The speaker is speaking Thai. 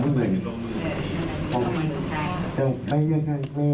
คือจะเอาศัพท์สินคือถามแกรถแกรถป้อเงินให้หรือรถนอน